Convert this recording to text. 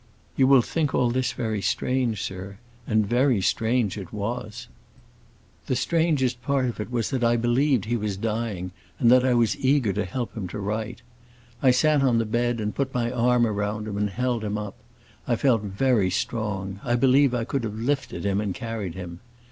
You will think all this very strange, sir; and very strange it was. The strangest part of it was that I believed he was dying, and that I was eager to help him to write. I sat on the bed and put my arm round him, and held him up. I felt very strong; I believe I could have lifted him and carried him.